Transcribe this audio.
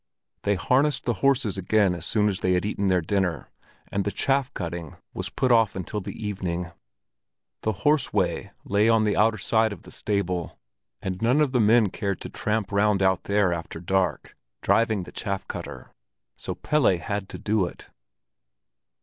They harnessed the horses again as soon as they had eaten their dinner, and the chaff cutting was put off until the evening. The horse way lay on the outer side of the stable, and none of the men cared to tramp round out there in the dark, driving for the chaff cutter, so Pelle had to do it.